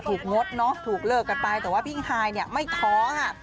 งดเนอะถูกเลิกกันไปแต่ว่าพี่ฮายเนี่ยไม่ท้อค่ะ